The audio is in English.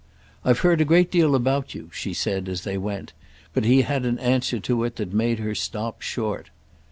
"I've heard a great deal about you," she said as they went; but he had an answer to it that made her stop short.